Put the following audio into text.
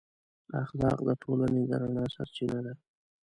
اخلاق د ټولنې د رڼا سرچینه ده.